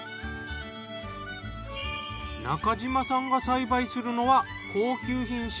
中嶋さんが栽培するのは高級品種